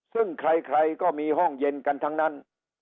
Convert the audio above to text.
ซึ่งใครก็มีห้องเย็นกันทั้งนั้น